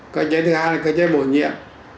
cơ chế thứ hai là cơ chế bổ nhiệm